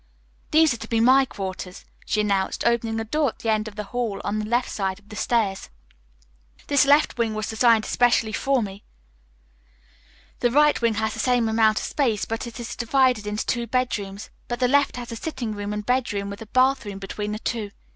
"These are to be my quarters," she announced, opening a door at the end of the hall on the left side of the stairs. "This left wing was designed especially for me. The right wing has the same amount of space, but it is divided into two bedrooms. But the left has a sitting room and bedroom, with a bathroom between the two.